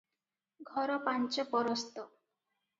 ଘର ପାଞ୍ଚ ପରସ୍ତ ।